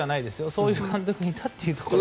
そういう監督もいたというところで。